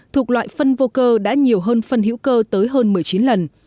thuộc loại phân vô cơ đã nhiều hơn phân hữu cơ tới hơn một mươi chín lần